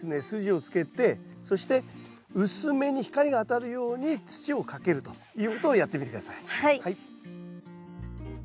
筋をつけてそして薄めに光が当たるように土をかけるということをやってみて下さい。